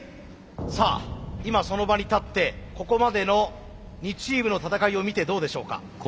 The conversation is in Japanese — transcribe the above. さあ今その場に立ってここまでの２チームの戦いを見てどうでしょうか。